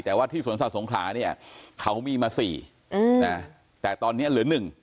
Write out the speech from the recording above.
แต่ว่าที่สวนสัตว์สงขลาเนี่ยเขามีมา๔นะแต่ตอนนี้เหลือ๑